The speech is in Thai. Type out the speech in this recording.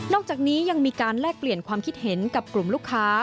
อกจากนี้ยังมีการแลกเปลี่ยนความคิดเห็นกับกลุ่มลูกค้า